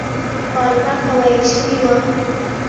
پالمر ته ویل شوي وه.